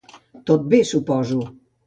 —Tot bé, suposo…